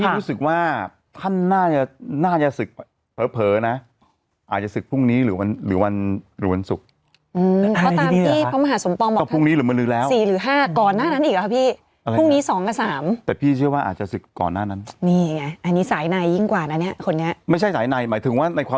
รู้สึกฮะฮะฮะฮะฮะฮะฮะฮะฮะฮะฮะฮะฮะฮะฮะฮะฮะฮะฮะฮะฮะฮะฮะฮะฮะฮะฮะฮะฮะฮะฮะฮะฮะฮะฮะฮะฮะฮะฮะฮะฮะฮะฮะฮะฮะฮะฮะฮะฮะฮะฮะฮะฮะฮะ